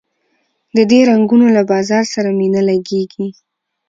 د دې رنګونو له بازار سره مي نه لګیږي